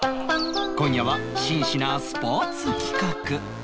今夜は紳士なスポーツ企画